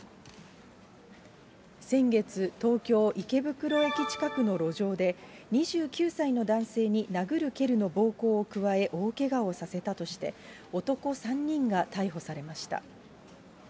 先月、東京・池袋駅近くの路上で、２９歳の男性に殴る蹴るの暴行を加え、大けがをさせたとして、男３人が逮捕されました。